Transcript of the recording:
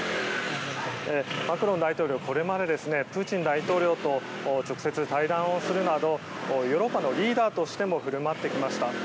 マクロン大統領はこれまでプーチン大統領と直接対談をするなどヨーロッパのリーダーとしても振る舞ってきました。